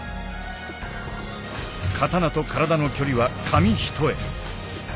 刀と体の距離は紙一重。